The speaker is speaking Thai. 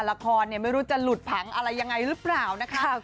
ละครเนี่ยไม่รู้จะหลุดผังอะไรยังไงหรือเปล่านะคะ